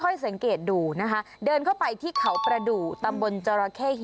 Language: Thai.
ค่อยสังเกตดูนะฮะเดินเข้าไปที่เขาประดุตามบนจรเคฮิน